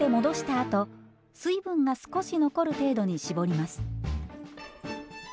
あと水分が少し残る程度に絞ります。